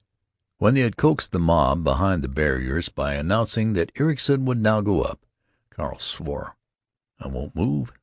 When they had coaxed the mob behind the barriers, by announcing that Ericson would now go up, Carl swore: "I won't move!